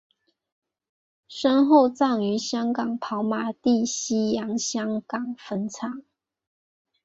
身后葬于香港跑马地西洋香港坟场。